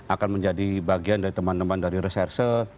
akan menjadi bagian dari teman teman dari reserse